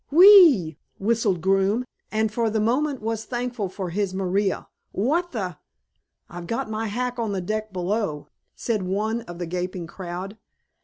"Whe e ew!" whistled Groome, and for the moment was thankful for his Maria. "What the " "I've got my hack on the deck below," said one of the gaping crowd.